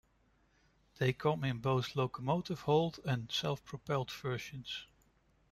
They come in both locomotive hauled and self-propelled versions.